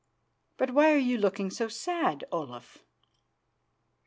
But why are you looking so sad, Olaf?"